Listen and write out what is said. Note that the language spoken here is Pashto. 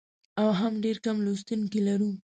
او هم ډېر کم لوستونکي لرو.